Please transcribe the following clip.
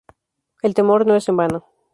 El temor no es en vano.